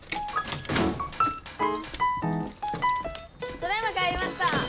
ただいま帰りました！